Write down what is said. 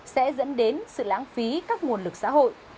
sẽ dẫn đến sự lãng phí các nguồn lực xã hội